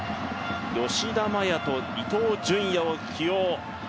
吉田麻也と伊東純也を起用。